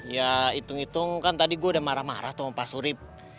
ya hitung hitung kan tadi gue udah marah marah sama pak surip